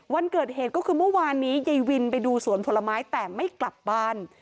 วันเกิดเหตุก็คือเมื่อวานนี้ยายวินไปดูสวนผลไม้แต่ไม่กลับบ้าน